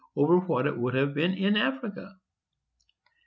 over what it would have been in Africa.